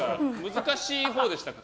難しいほうでしたか？